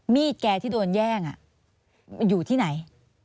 แกที่โดนแย่งอยู่ที่ไหน